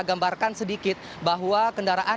gambarkan sedikit bahwa kendaraan